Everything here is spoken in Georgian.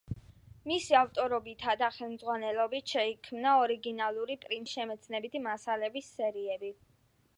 მისი ავტორობითა და ხელმძღვანელობით შეიქმნა ორიგინალურ პრინციპებზე დაფუძნებული შემეცნებითი მასალების სერიები.